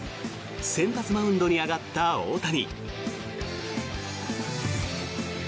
先発マウンドに上がった大谷。